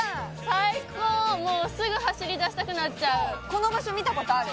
最高もうすぐ走りだしたくなっちゃうこの場所見たことある？